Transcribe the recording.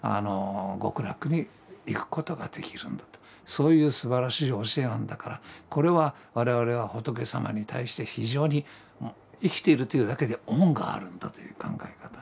そういうすばらしい教えなんだからこれは我々は仏様に対して非常に生きているというだけで恩があるんだという考え方。